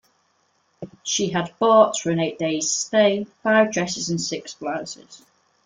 She had brought, for an eight-days’ stay, five dresses and six blouses.